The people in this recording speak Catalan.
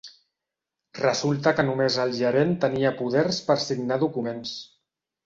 Resulta que només el gerent tenia poders per signar documents.